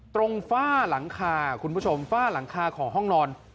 ฝ้าหลังคาคุณผู้ชมฝ้าหลังคาของห้องนอน